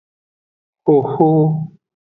Xoxo.